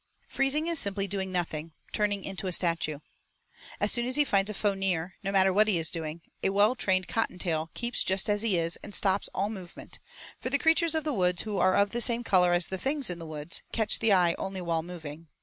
'Freezing' is simply doing nothing, turning into a statue. As soon as he finds a foe near, no matter what he is doing, a well trained Cottontail keeps just as he is and stops all movement, for the creatures of the woods are of the same color as the things in the woods and catch the eye only while moving.